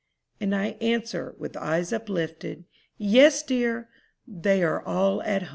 And I answer, with eyes uplifted, "Yes, dear! they are all at home."